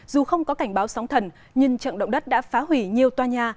dù không có cảnh báo sóng thần nhưng trận động đất đã phá hủy nhiều tòa nhà